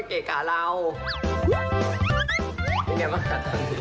เป็นไงบ้างคะ